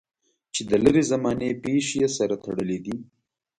چې د لرې زمانې پېښې یې سره تړلې دي.